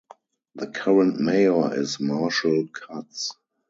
The current mayor is Marshall Katz.